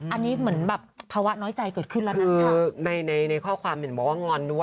อันนี้เหมือนภาวะน้อยใจเกิดขึ้นแล้ว